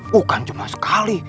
bukan cuma sekali